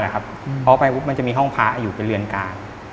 พอเข้าไปมันจะมีห้องพ้าอยู่ในเรือนกลาง